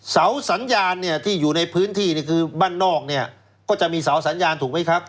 เสาสัญญาณเนี่ยที่อยู่ในพื้นที่นี่คือบ้านนอกเนี่ยก็จะมีเสาสัญญาณถูกไหมครับ